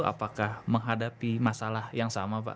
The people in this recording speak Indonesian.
apakah menghadapi masalah yang sama pak